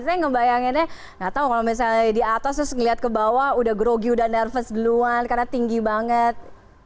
saya ngebayanginnya nggak tahu kalau misalnya di atas terus ngeliat ke bawah udah grogi udah nervous duluan karena tinggi banget